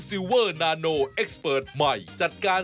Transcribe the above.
พี่เวียก็โดนแอบถ่ายอะไรอีกแล้ว